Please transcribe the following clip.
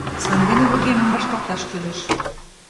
Сандене вургемым вашталташ кӱлеш.